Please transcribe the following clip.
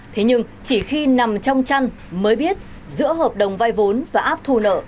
thế nhưng chỉ khi nằm trong chăn mới biết giữa hợp đồng vay vốn và áp thu nợ